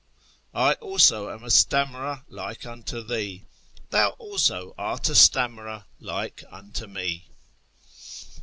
" I also am a stammerer like unto thee ; Thou also art a stammerer like unto me."